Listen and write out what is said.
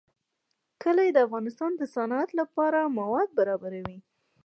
کلي د افغانستان د صنعت لپاره مواد برابروي.